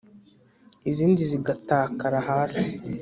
izindi zigatakara hasi